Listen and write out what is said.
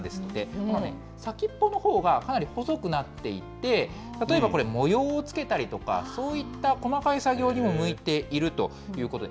これね、先っぽのほうがかなり細くなっていて、例えばこれ、模様をつけたりとか、そういった細かい作業にも向いているということです。